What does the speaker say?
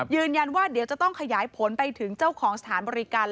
ยืนยันว่าเดี๋ยวจะต้องขยายผลไปถึงเจ้าของสถานบริการ